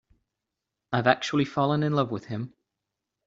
I've actually fallen in love with him.